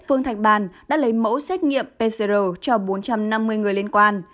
phương thạch bàn đã lấy mẫu xét nghiệm pcr cho bốn trăm năm mươi người liên quan